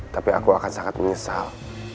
tapi aku akan sangat menyesal